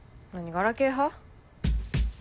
ガラケー派？